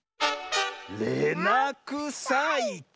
「れなくさいち」